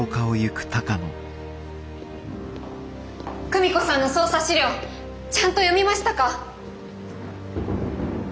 久美子さんの捜査資料ちゃんと読みましたか？